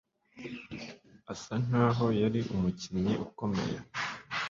Asa nkaho yari umukinnyi ukomeye